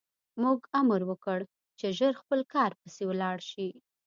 موږ امر وکړ چې ژر خپل کار پسې لاړ شي